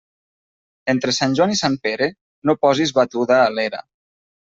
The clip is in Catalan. Entre Sant Joan i Sant Pere, no posis batuda a l'era.